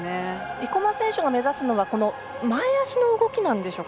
生馬選手が目指すのは前足の動きなんでしょうか。